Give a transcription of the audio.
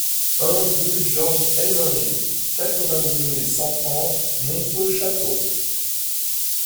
un rue Georges Helminger, quatre-vingt-dix mille cent trente Montreux-Château